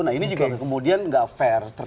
nah ini juga kemudian nggak fair